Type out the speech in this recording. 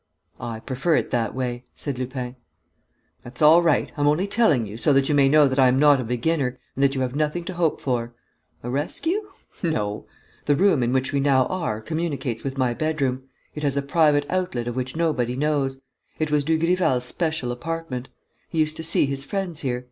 "I prefer it that way," said Lupin. "That's all right! I'm only telling you, so that you may know that I am not a beginner and that you have nothing to hope for. A rescue? No. The room in which we now are communicates with my bedroom. It has a private outlet of which nobody knows. It was Dugrival's special apartment. He used to see his friends here.